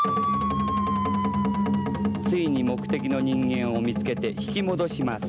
ついに目的の人間を見つけて引き戻します。